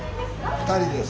２人です。